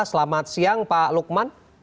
selamat siang pak lukman